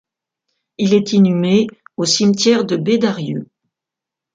Il est inhumé au cimetière de Bédarieux.